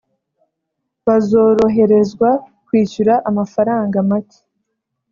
bazoroherezwa kwishyura amafaranga make